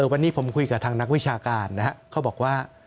วันนี้ผมคุยกับทางนักวิชาการนะครับเขาบอกว่า